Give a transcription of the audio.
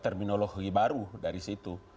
terminologi baru dari situ